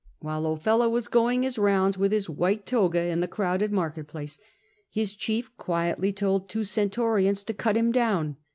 While Ofella was going his rounds with his white toga in the crowded market place, his chief quietly told two centurions to cut him down.